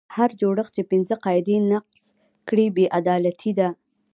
هر جوړښت چې پنځه قاعدې نقض کړي بې عدالتي ده.